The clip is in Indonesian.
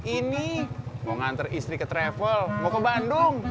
ini mau ngantar istri ke travel mau ke bandung